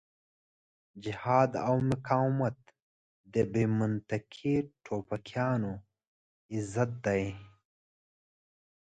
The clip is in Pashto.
جهاد او مقاومت د بې منطقې ټوپکيان غرت دی.